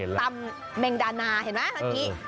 ตำแมงดานาเห็นไหมเมื่อกี้